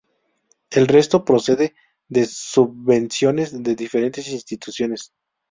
El resto, procede de subvenciones de diferentes instituciones.